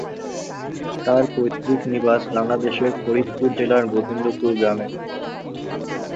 তার পৈতৃক নিবাস বাংলাদেশের ফরিদপুর জেলার গোবিন্দপুর গ্রামে।